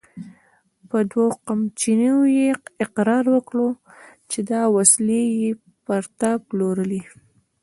په دوو قمچينو يې اقرار وکړ چې دا وسلې يې پر تا پلورلې!